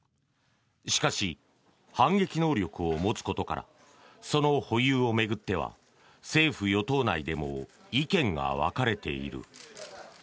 しかし、反撃能力を持つことからその保有を巡っては政府与党内でも意見が分かれている。